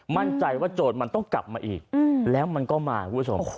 มั่นใจว่าโจรมันต้องกลับมาอีกแล้วมันก็มาคุณผู้ชม